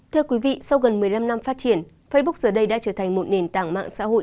thưa quý vị sau gần một mươi năm năm phát triển facebook giờ đây đã trở thành một nền tảng mạng xã hội